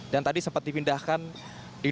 dan tadi sempat dipindahkan didorong